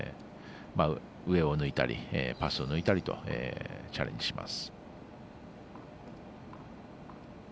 上を抜いたりパスを抜いたりとチャレンジします。